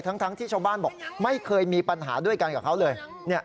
ทั้งที่ชาวบ้านบอกไม่เคยมีปัญหาด้วยกันกับเขาเลย